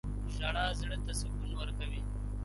• ژړا زړه ته سکون ورکوي.